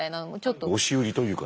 押し売りというかね。